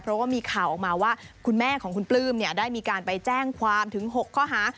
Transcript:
เพราะว่ามีข่าวออกมาว่าคุณแม่ของคุณปลื้มได้มีการไปแจ้งความถึง๖ข้อหา